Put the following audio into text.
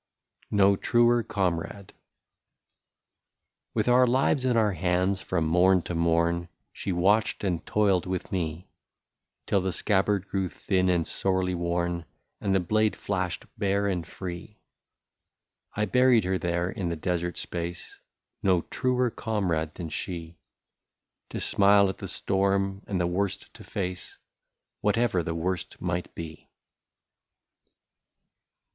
85 NO TRUER COMRADE. With our lives in our hands from morn to morn, She watched and toiled with me, Till the scabbard grew thin and sorely worn. And the blade flashed bare and free. I buried her there in the desert space, — No truer comrade than she, To smile at the storm, and the worst to face, Whatever the worst might be.